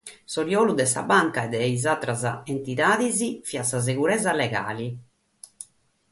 S'oriolu de sa banca e de sas àteras entidades fiat sa seguresa legale.